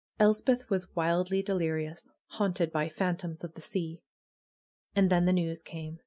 Elspeth Avas wildly delirious; haunted by phantoms of the sea. And then the news came.